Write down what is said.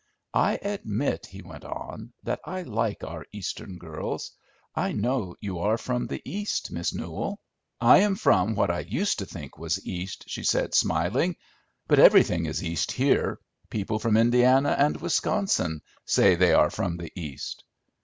"I admit," he went on, "that I like our Eastern girls. I know you are from the East, Miss Newell." "I am from what I used to think was East," she said, smiling. "But everything is East here; people from Indiana and Wisconsin say they are from the East."